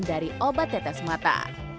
dari obat tetes mata